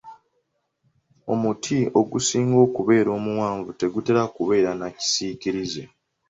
Omuti ogusinga okubeera omuwanvu tegutera kubeera na kisiikirize.